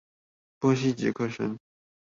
波西傑克森